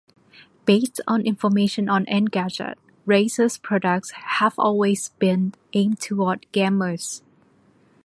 Based on information on Engadget, Razer's products have always been aimed towards gamers.